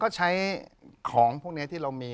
ก็ใช้ของพวกนี้ที่เรามี